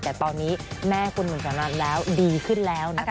แต่ตอนนี้แม่คุณหนุ่มสนัทแล้วดีขึ้นแล้วนะคะ